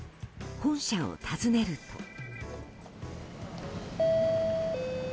本社を訪ねると。